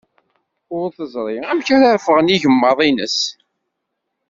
Ur teẓri amek ara ffɣen yigemmaḍ-ines.